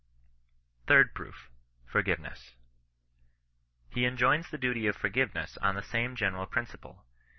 THIRD PROOF. — FORGIVENESS. He enjoins the duty of forgiveness on the same gene ral principle.